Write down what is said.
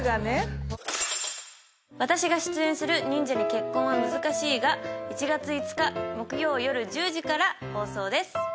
私が出演する『忍者に結婚は難しい』が１月５日木曜夜１０時から放送です。